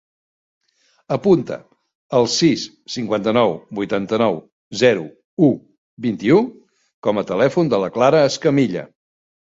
Apunta el sis, cinquanta-nou, vuitanta-nou, zero, u, vint-i-u com a telèfon de la Clara Escamilla.